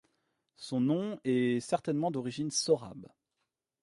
Son nom est certainement d'origine sorabe.